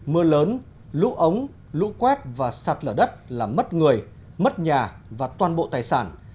mưa lớn lũ ống lũ quét và sạt lở đất làm mất người mất nhà và toàn bộ tài sản